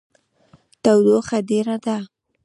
تودوخه ډیره ده